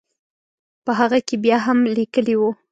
په هغه کې بیا هم لیکلي وو.